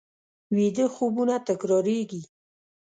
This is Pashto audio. ویده خوبونه تکرارېږي